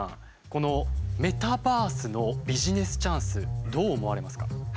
このメタバースのビジネスチャンスどう思われますか？